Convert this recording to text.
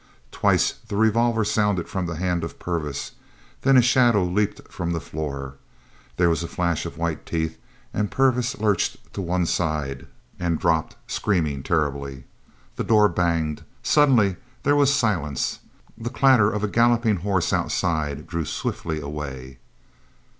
Twice the revolver sounded from the hand of Purvis. Then a shadow leaped from the floor. There was a flash of white teeth, and Purvis lurched to one side and dropped, screaming terribly. The door banged. Suddenly there was silence. The clatter of a galloping horse outside drew swiftly away.